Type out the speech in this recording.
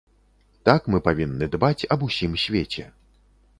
Так мы павінны дбаць аб усім свеце.